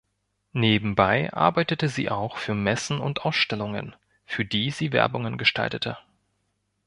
Nebenbei arbeitete sie auch für Messen und Ausstellungen, für die sie Werbungen gestaltete.